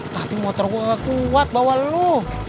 tapi motor gua gak kuat bawah lo